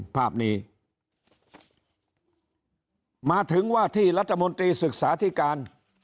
ภาพนี้มาถึงว่าที่รัฐมนตรีศึกษาธิการ